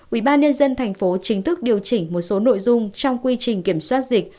ubnd tp chính thức điều chỉnh một số nội dung trong quy trình kiểm soát dịch